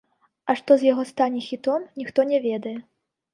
А што з яго стане хітом, ніхто не ведае.